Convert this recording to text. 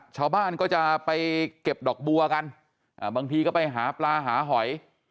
ชาวบ้านก็จะไปเก็บดอกบัวกันบางทีก็ไปหาปลาหาหอย